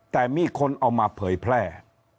แต่มีคนเอามาเผยแพร่